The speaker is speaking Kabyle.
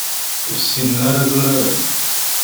Ur ssinen ara ad uraren.